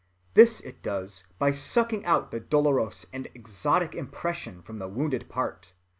This it does by sucking out the dolorous and exotic impression from the wounded part.